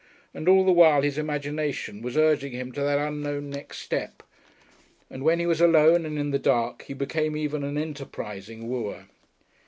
And all the while his imagination was urging him to that unknown next step, and when he was alone and in the dark he became even an enterprising wooer.